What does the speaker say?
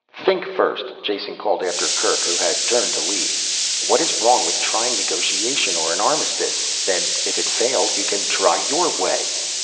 "Think first," Jason called after Kerk, who had turned to leave. "What is wrong with trying negotiation or an armistice? Then, if that fails, you can try your way."